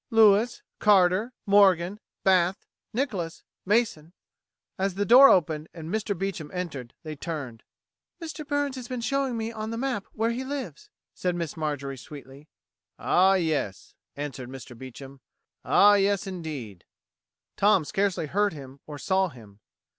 "Lewis, Carter, Morgan, Bath, Nicholas, Mason." As the door opened and Mr. Beecham entered, they turned. "Mr. Burns has been showing me on the map where he lives," said Miss Marjorie sweetly. "Ah, yes ah, yes," answered Mr. Beecham. "Ah, yes, indeed." Tom scarcely heard him, or saw him.